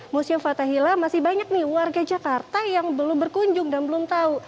museum fathahila masih banyak nih warga jakarta yang belum berkunjung dan belum tahu